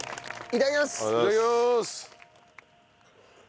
いただきます。